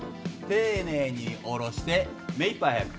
丁寧に下ろして目いっぱい速く。